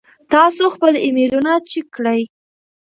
تاسو خپل ایمیلونه چیک کړئ.